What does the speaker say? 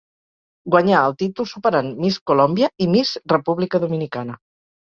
Guanyà el títol superant Miss Colòmbia i Miss República Dominicana.